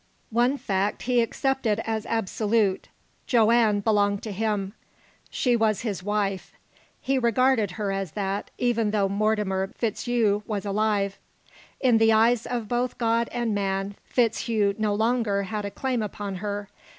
One fact he accepted as absolute: Joanne belonged to him. She was his wife. He regarded her as that, even though Mortimer FitzHugh was alive. In the eyes of both God and man FitzHugh no longer had a claim upon her.